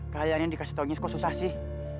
kalian yang dikasih taunya kok susah sih